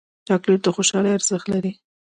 چاکلېټ د خوشحالۍ ارزښت لري